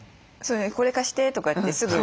「これ貸して」とかってすぐ。